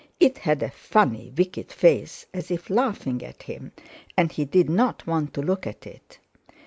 It had a funny, wicked face, as if laughing at him, and he did not want to look at it.